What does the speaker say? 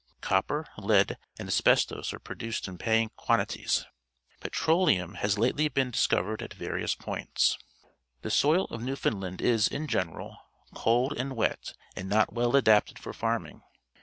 Copper, lead, and asbestos are produced in paymg quamities. Petroleum has lately been discovered at various points. The soil of Newfoundland is, in general, cold and wet and not well adapted for farming.